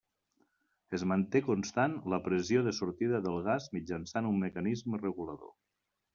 Es manté constant la pressió de sortida del gas mitjançant un mecanisme regulador.